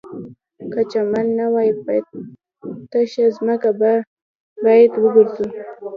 که چمن نه وي په تشه ځمکه باید وګرځو